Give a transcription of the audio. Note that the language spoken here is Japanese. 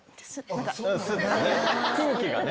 空気がね。